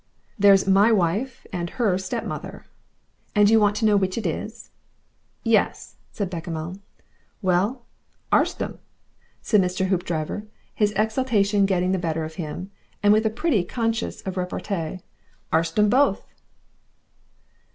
"There's my wife and HER stepmother." "And you want to know which it is?" "Yes," said Bechamel. "Well arst 'em!" said Mr. Hoopdriver, his exultation getting the better of him, and with a pretty consciousness of repartee. "Arst 'em both."